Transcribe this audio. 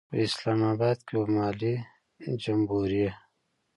په اسلام آباد کې به محلي جمبوري.